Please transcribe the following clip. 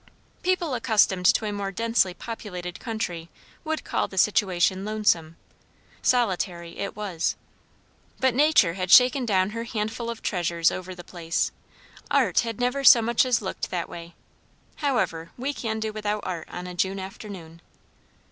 People accustomed to a more densely populated country would call the situation lonesome; solitary it was. But Nature had shaken down her hand full of treasures over the place. Art had never so much as looked that way. However, we can do without art on a June afternoon.